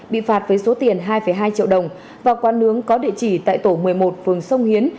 bị phạt với số tiền hai hai triệu đồng vào quán nướng có địa chỉ tại tổ một mươi một phường sông hiến